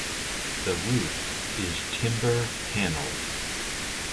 The roof is timber panelled.